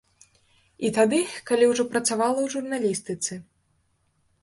І тады, калі ўжо працавала ў журналістыцы.